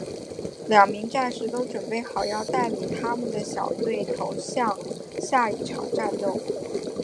两名战士都准备好要带领他们的小队投入下一场战斗。